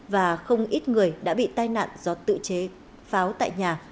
và không ít người đã bị tai nạn do tự chế pháo tại nhà